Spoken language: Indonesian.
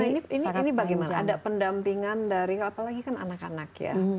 nah ini bagaimana ada pendampingan dari apalagi kan anak anak ya